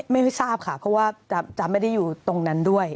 ไม่ทราบค่ะเพราะว่าจะไม่ได้อยู่ตรงนั้นด้วย